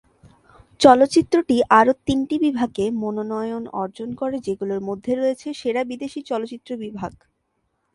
চলচ্চিত্রটি আরো তিনটি বিভাগে মনোনয়ন অর্জন করে, যেগুলোর মধ্যে রয়েছে সেরা বিদেশি চলচ্চিত্র বিভাগ।